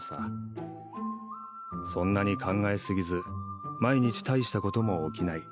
そんなに考え過ぎず毎日大したことも起きない。